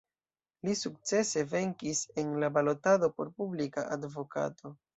Li sukcese venkis en la balotado por Publika Advokato.